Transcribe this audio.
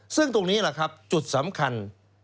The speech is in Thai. ซึ่งตรงนี้แหละครับจุดสำคัญ